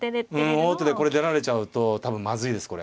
王手で出られちゃうと多分まずいですこれ。